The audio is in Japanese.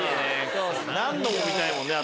何度も見たいもんね。